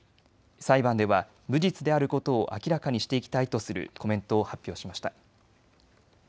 裁判では無実であることを明らかにしていきたいとするコメントを発表しました。